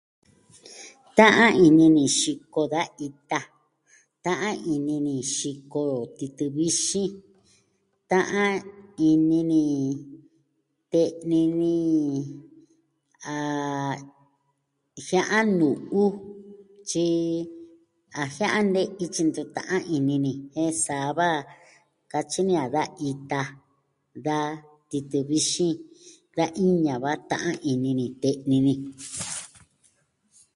Ta'an ini ni xiko da ita, ta'an ini ni xiko titɨ vixin, ta'an ini ni te'ni ni a jia'an nu'u tyi a jia'an nee ityi ntu ta'an ini ni jen sa va katyi ni a da ita, da titɨ vixin, da iña va ta'an ini ni te'ni ni.